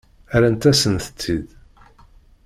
Rrant-asent-t-id.